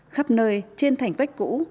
khắp nơi trên thành vách cũ